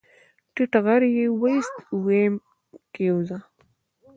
ټيټ غږ يې واېست ويم کېوځه.